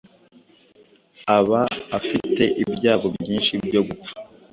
aba afite ibyago byinshi byo gupfa